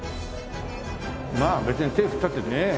まあ別に手振ったってね。